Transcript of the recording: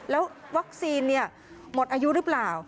แล้ววัคซีนหมดอายุหรือเปล่า